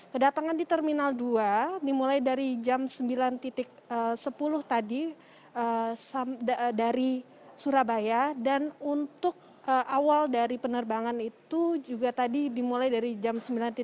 kedatangan di terminal dua dimulai dari jam sembilan sepuluh tadi dari surabaya dan untuk awal dari penerbangan itu juga tadi dimulai dari jam sembilan tiga puluh